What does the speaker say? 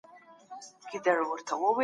له عاقل او بالغ سړي څخه جزيه اخيستل روا دي.